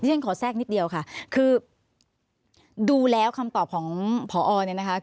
ติ้งขอแทรกนิดเดียวค่ะดูแล้วคำตอบของขออลนะคะ